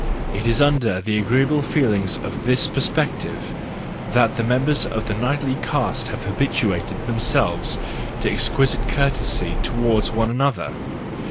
It is under the agreeable feelings of this perspective that the members of the knightly caste have habituated themselves to ex¬ quisite courtesy toward one another.